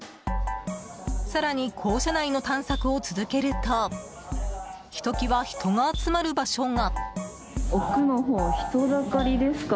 更に、校舎内の探索を続けるとひときわ人が集まる場所が。